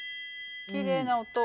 きれいな音。